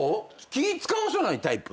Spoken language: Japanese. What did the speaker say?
気ぃ使わさないタイプ？